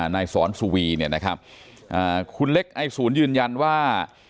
นายสอนสุวีเนี่ยนะครับคุณเล็กไอศูนย์ยืนยันว่า